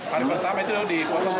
hari pertama itu dikotong tiga